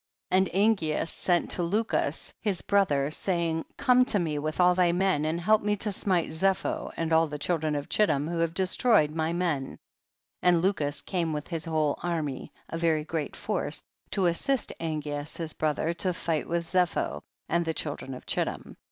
14. And Angeas sent to Lucus his brother, saying, come to me with all thy men and help me to smite Zepho and all the children of Chittim who have destroyed my men, and Lucus came with his whole army, a very great force, to assist Angeas his bro ther to fight with Zepho and the children of Chittim.